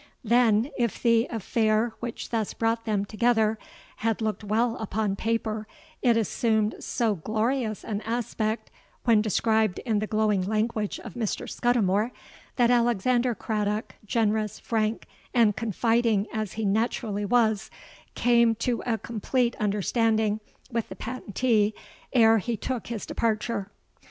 Then, if the affair which thus brought them together, had looked well upon paper, it assumed so glorious an aspect, when described in the glowing language of Mr. Scudimore, that Alexander Craddock, generous, frank, and confiding as he naturally was, came to a complete understanding with the patentee ere he took his departure.